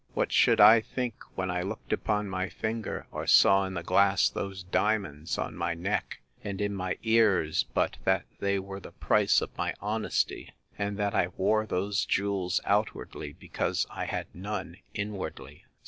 What should I think, when I looked upon my finger, or saw in the glass those diamonds on my neck, and in my ears, but that they were the price of my honesty; and that I wore those jewels outwardly, because I had none inwardly.